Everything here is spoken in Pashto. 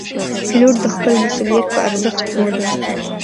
پیلوټ د خپل مسؤلیت په ارزښت پوه دی.